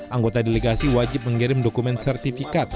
anggota delegasi wajib mengirim dokumen sertifikat